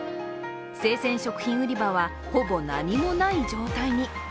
生鮮食品売り場はほぼ何もない状態に。